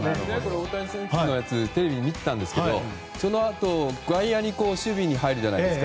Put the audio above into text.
大谷選手のやつテレビで見ていましたがそのあと外野に守備に入るじゃないですか。